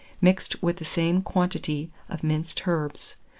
mixed with the same quantity of minced herbs.